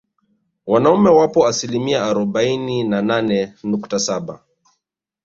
Wanaume wapo asilimia arobaini na nane nukta saba